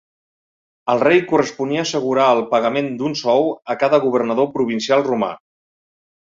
Al rei corresponia assegurar el pagament d'un sou a cada governador provincial romà.